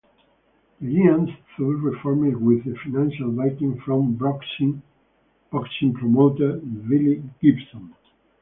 The Giants thus reformed with the financial backing from boxing promoter, Billy Gibson.